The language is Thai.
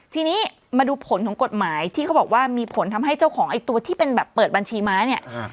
ทีนี้มาดูผลของกฎหมายที่เขาบอกว่ามีผลทำให้เจ้าของไอ้ตัวที่เป็นแบบเปิดบัญชีม้าเนี่ย